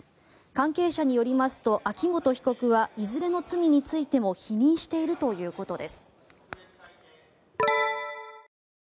関係者によりますと秋本被告はいずれの罪についても否認しているということです。